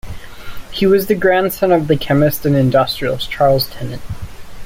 He was the grandson of the chemist and industrialist Charles Tennant.